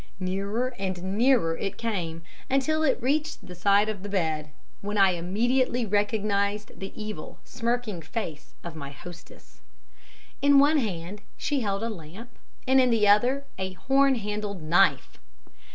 Nearer and nearer it came, until it reached the side of the bed, when I immediately recognized the evil, smirking face of my hostess. In one hand she held a lamp and in the other a horn handled knife.